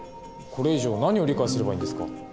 これ以上何を理解すればいいんですか？